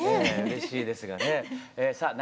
うれしいですがねさあ